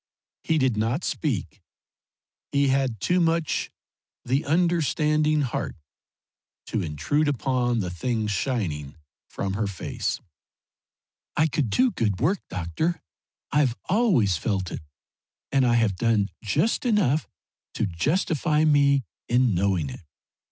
He did not speak; he had too much the understanding heart to intrude upon the things shining from her face. "I could do good work, doctor. I've always felt it, and I have done just enough to justify me in knowing it.